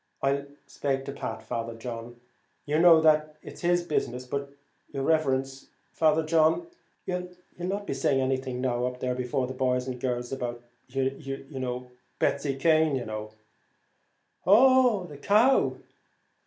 "I'll spake to Pat, Father John; you know that's his business; but your riverence, Father John, you'll not be saying anything up there before the boys and girls about you know Betsy Cane, you know." "Oh! the cow!